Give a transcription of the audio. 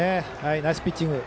ナイスピッチング。